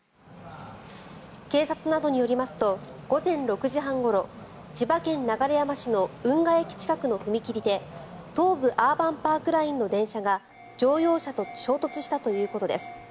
警察などによりますと午前６時半ごろ千葉県流山市の運河駅近くの踏切で東武アーバンパークラインの電車が乗用車と衝突したということです。